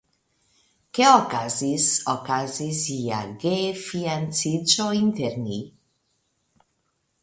Ke okazis okazis ia gefianĉiĝo inter ni.